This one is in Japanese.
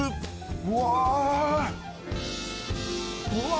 うわ。